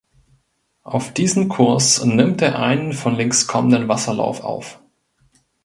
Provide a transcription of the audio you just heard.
Auf diesen Kurs nimmt er einen von links kommenden Wasserlauf auf.